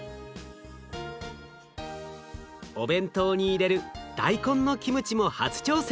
お弁当に入れる大根のキムチも初挑戦。